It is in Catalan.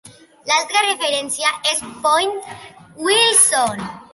L'altra referència és Point Wilson.